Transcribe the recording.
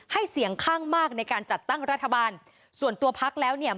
เสียงข้างมากในการจัดตั้งรัฐบาลส่วนตัวพักแล้วเนี่ย